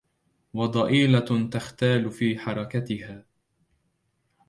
وضيئلة تختال في حركاتها